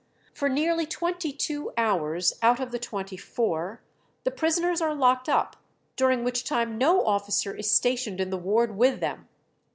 For nearly twenty two hours out of the twenty four the prisoners are locked up, during which time no officer is stationed in the ward with them."